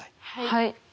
はい。